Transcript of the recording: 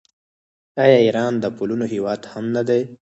آیا ایران د پلونو هیواد هم نه دی؟